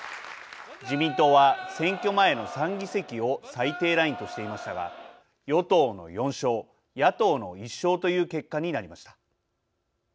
自民党は選挙前の３議席を最低ラインとしていましたが与党の４勝、野党の１勝という結果になりました。